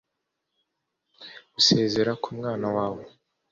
gusezera ku mwana wawe